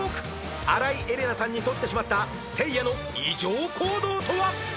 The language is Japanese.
新井恵理那さんにとってしまったせいやの異常行動とは？